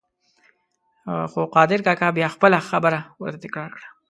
خو قادر کاکا بیا خپله خبره ورته تکرار کړه.